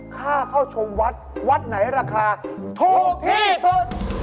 ค่าเข้าชมวัดวัดไหนราคาถูกที่สุด